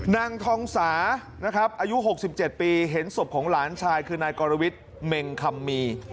นางทองสานะครับอายุ๖๗ปีเห็นศพของหลานชายคือนายกรวิทย์เมงคำมี